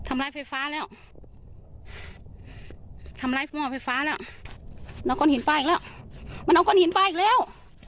มันเอากันเห็นไปอีกแล้ว